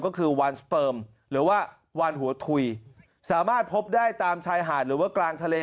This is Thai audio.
ก็คือวานสเฟิร์มหรือว่าวานหัวถุยสามารถพบได้ตามชายหาดหรือว่ากลางทะเล